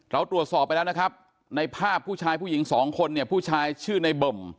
เราตรวจสอบไปแล้วนะครับในภาพผู้ชายผู้หญิงสองคนเนี่ยผู้ชายชื่อในเบิ่ม